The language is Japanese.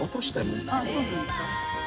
あっそうなんですか。